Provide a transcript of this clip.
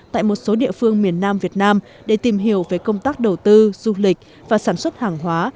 tại một số địa phương miền nam việt nam để tìm hiểu về công tác đầu tư du lịch và sản xuất hàng hóa